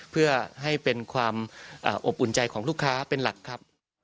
เพื่อให้เป็นความอบอุ่นใจของลูกค้าเป็นหลักครับ